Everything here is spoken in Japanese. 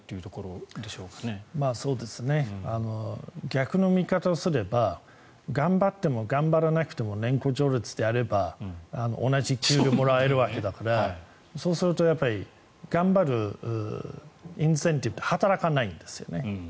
逆の見方をすれば頑張っても頑張らなくても年功序列であれば同じ給料をもらえるわけだからそうすると頑張るインセンティブが働かないんですよね。